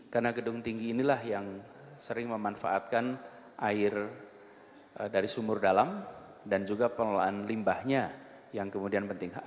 karena gedung tinggi inilah yang sering memanfaatkan air dari sumur dalam dan juga pengelolaan limbahnya yang kemudian penting